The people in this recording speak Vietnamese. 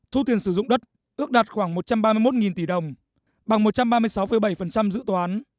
thu tiền sử dụng đất ước đạt khoảng một trăm ba mươi một tỷ đồng bằng một trăm ba mươi sáu bảy dự toán